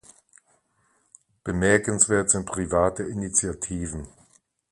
Bemerkenswert sind private Initiativen.